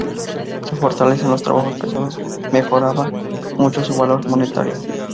Su fortaleza en los trabajos pesados mejoraba mucho su valor monetario.